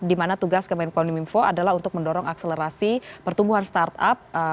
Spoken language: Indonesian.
dimana tugas keminfo adalah untuk mendorong akselerasi pertumbuhan startup